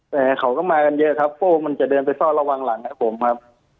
แต่เขาก็มากันเยอะครับพวกมันจะเดินไปเฝ้าระวังหลังครับผมครับ